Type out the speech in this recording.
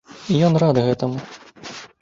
І ён рад гэтаму.